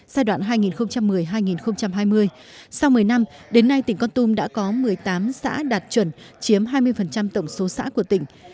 giai đoạn hai nghìn một mươi hai nghìn hai mươi sau một mươi năm đến nay tỉnh con tum đã có một mươi tám xã đạt chuẩn chiếm hai mươi tổng số xã của tỉnh